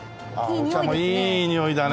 お茶のいいにおいだね。